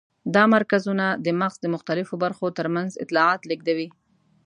دا مرکزونه د مغز د مختلفو برخو تر منځ اطلاعات لېږدوي.